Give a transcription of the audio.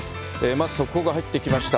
まず速報が入ってきました。